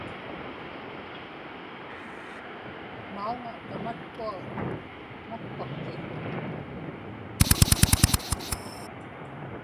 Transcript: mauŋa tamatkua nappakki